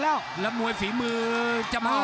ภูตวรรณสิทธิ์บุญมีน้ำเงิน